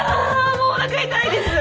もうおなか痛いです